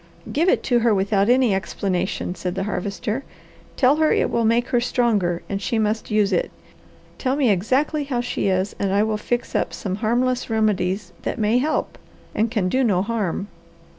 "Give it to her without any explanation," said the Harvester. "Tell her it will make her stronger and she must use it. Tell me exactly how she is, and I will fix up some harmless remedies that may help, and can do no harm."